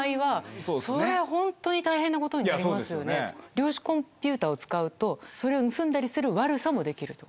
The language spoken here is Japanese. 量子コンピューターを使うとそれを盗んだりする悪さもできるということ？